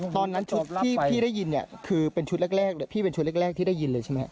ตอนนั้นชุดที่พี่ได้ยินเนี่ยคือเป็นชุดแรกที่ได้ยินเลยใช่มั้ย